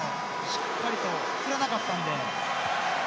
しっかりと振らなかったので。